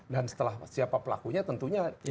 dan setelah siapa pelakunya tentunya